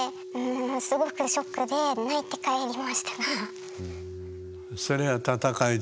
すごくショックで泣いて帰りましたが。